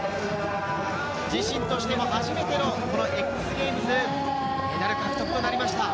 自身としても初めてのＸＧａｍｅｓ、メダル獲得となりました。